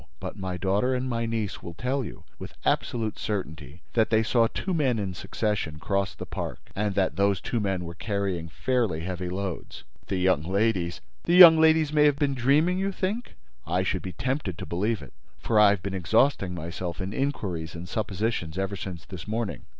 But my daughter and my niece will tell you, with absolute certainty, that they saw two men in succession cross the park and that those two men were carrying fairly heavy loads." "The young ladies—" "The young ladies may have been dreaming, you think? I should be tempted to believe it, for I have been exhausting myself in inquiries and suppositions ever since this morning.